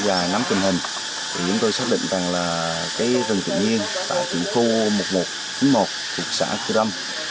và nắm bắt tới số đối tượng nghi vấn cũng như quy lực về thời gian hoạt động